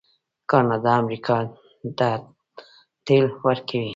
کاناډا امریکا ته تیل ورکوي.